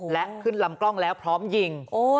และขึ้นลำกล้องแล้วพร้อมยิง